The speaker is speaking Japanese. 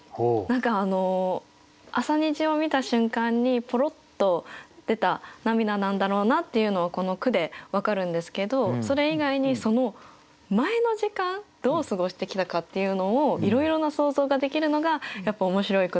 何か朝虹を見た瞬間にポロッと出た涙なんだろうなっていうのはこの句で分かるんですけどそれ以外にその前の時間どう過ごしてきたかっていうのをいろいろな想像ができるのがやっぱ面白い句だなと思って。